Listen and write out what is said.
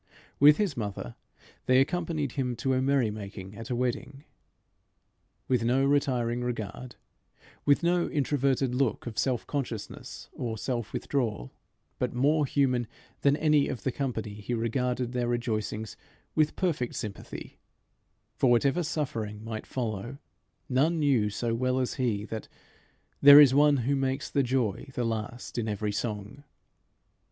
With his mother they accompanied him to a merry making at a wedding. With no retiring regard, with no introverted look of self consciousness or self withdrawal, but more human than any of the company, he regarded their rejoicings with perfect sympathy, for, whatever suffering might follow, none knew so well as he that "there is one Who makes the joy the last in every song."